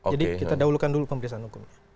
jadi kita dahulukan dulu pemeriksaan hukum